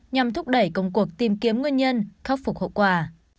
nhằm thúc đẩy công cuộc tìm kiếm nguyên nhân khắc phục hậu quả